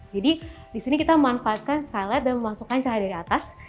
jadi di sini kita memanfaatkan skylight dan memasukkan cahaya dari atas